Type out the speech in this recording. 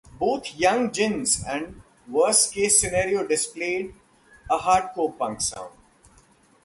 Both the Young Ginns and Worst Case Scenario displayed a hardcore punk sound.